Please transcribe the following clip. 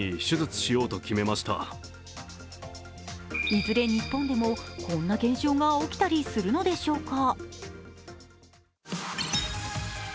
いずれ日本でもこんな現象が起きたりするんでしょうか？